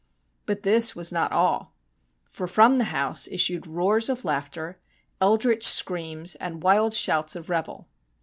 But this was not all, for from the house issued roars of laughter, eldritch screams, and wild shouts of revel.